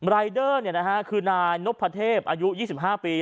รายเดอร์คือนานกพระเทพ๒๕ปี